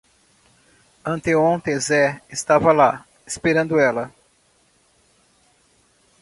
Anteontem Zé estava lá, esperando ela.